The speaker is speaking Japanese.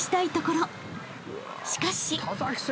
［しかし！］